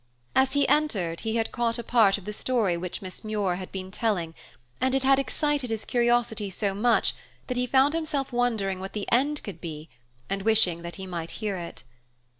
As he entered, he had caught a part of the story which Miss Muir had been telling, and it had excited his curiosity so much that he found himself wondering what the end could be and wishing that he might hear it.